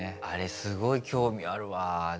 あれすごい興味あるわ。